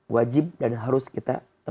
wajib dan harus kita